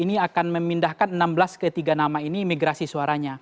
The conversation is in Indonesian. ini akan memindahkan enam belas ke tiga nama ini migrasi suaranya